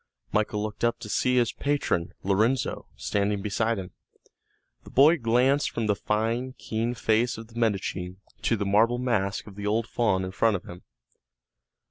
Michael looked up to see his patron, Lorenzo, standing beside him. The boy glanced from the fine, keen face of the Medici to the marble mask of the old faun in front of him.